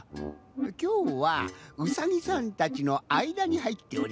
きょうはうさぎさんたちのあいだにはいっております。